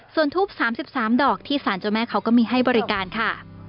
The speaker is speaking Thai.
ส่วนทูป๓๓ดอกที่สารเจ้าแม่เขาก็มีให้บริการค่ะ